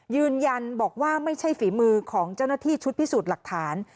ยืนยันบอกว่าไม่ใช่ฝีมือของเจ้าหน้าที่ชุดพิสูจน์หลักฐาน